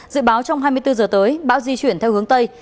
dự báo trong hai mươi bốn giờ tới bão di chuyển theo hướng tây